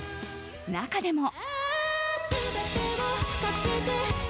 中でも。